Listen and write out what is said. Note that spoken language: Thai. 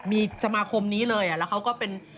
มีสมาคมนี้เลยแล้วเขาก็เป็น